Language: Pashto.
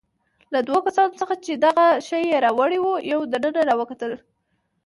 له دوو کسانو څخه چې دغه شی يې راوړی وو، یو دننه راوکتل.